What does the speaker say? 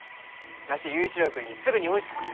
わし佑一郎君にすぐに追いつくき。